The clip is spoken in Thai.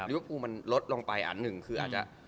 ริวปกรุงมันลดลงไปอันหนึ่งคืออาจจะ